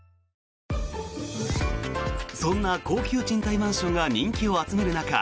そんな高級賃貸マンションが人気を集める中